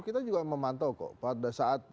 kita juga memantau kok pada saat